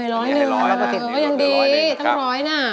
ร้อนึงยังดีตั้งร้อยนะ